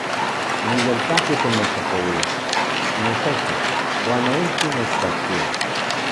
Niyolpaki timotlapouiaj, notoka , uan noijki nechpaktia